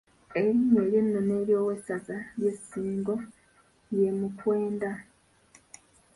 Erinnya ery’ennono ery’owessaza ly’e Ssingo ye Mukwenda.